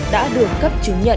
đã được cấp chứng nhận